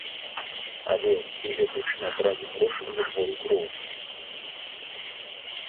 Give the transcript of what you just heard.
Але ці этычна браць грошы за сваю кроў?